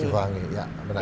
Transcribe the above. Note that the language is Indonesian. dikurangi ya benar